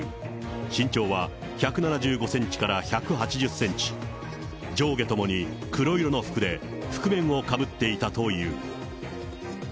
身長は１７５センチから１８０センチ、上下ともに黒色の服で、覆面をかぶっていたという。